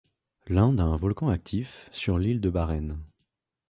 L'Inde a un volcan actif, sur l'île de Barren.